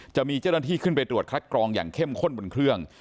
จะมีเจ้าหน้าที่ขึ้นไปตรวจคัดกรองอย่างเข้มข้นบนเครื่อง